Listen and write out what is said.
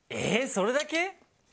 それだけ？